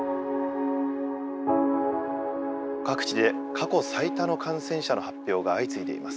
各地で過去最多の感染者の発表が相次いでいます。